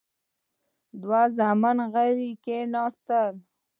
دوه زامن غلي کېناستل.